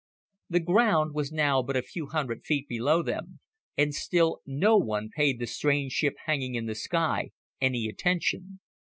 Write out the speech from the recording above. The ground was now but a few hundred feet below them, and still no one paid the strange ship hanging in the sky any attention.